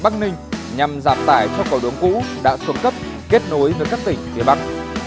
tổng cục đường bắc ninh nhằm giảm tải cho cầu đuống cũ đã xuống cấp kết nối với các tỉnh địa bắc